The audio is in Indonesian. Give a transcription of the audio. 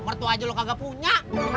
mertu aja lo kagak punya